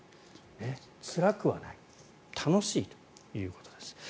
つらくはない楽しいということです。